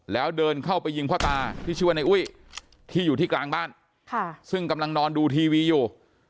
แล้วเดินเข้าไปยิงพระตาที่อยู่ที่กลางบ้านซึ่งกำลังนอนดูทีวีอยู่